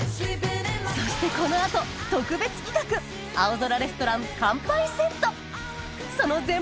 そしてこのあと特別企画「青空レストラン乾杯セット」